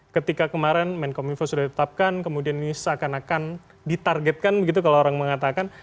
ketika kemarin menkom info sudah ditetapkan kemudian ini seakan akan ditargetkan begitu kalau orang mengatakan